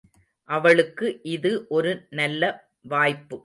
அவளுக்கு இது ஒரு நல்ல வாய்ப்பு.